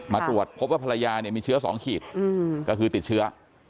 ตรวจพบว่าภรรยาเนี่ยมีเชื้อ๒ขีดก็คือติดเชื้อ